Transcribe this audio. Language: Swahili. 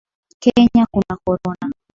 Kenya kuna korona